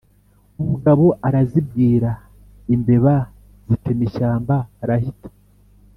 umugabo Arazibwira Imbeba zitema ishyamba arahita;